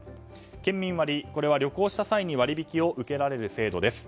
県民割は、旅行した際に割引を受けられる制度です。